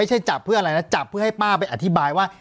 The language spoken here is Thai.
จับเพื่ออะไรนะจับเพื่อให้ป้าไปอธิบายว่า